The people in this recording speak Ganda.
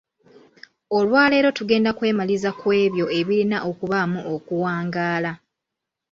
Olwaleero tugenda kwemaliza ku ebyo ebirina okubaamu okuwangaala.